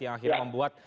yang akhirnya membuat